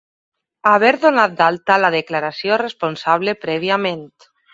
Haver donat d'alta la declaració responsable prèviament.